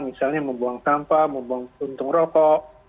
misalnya membuang sampah membuang untung rokok